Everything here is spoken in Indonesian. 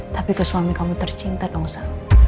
tapi ke suami kamu tercinta dong sa